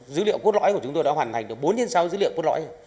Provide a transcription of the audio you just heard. dữ liệu quốc lõi của chúng tôi đã hoàn thành được bốn sáu dữ liệu quốc lõi